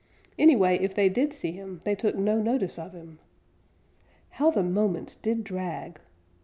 Anyway, if they did see him, they took no notice of him. How the moments did drag!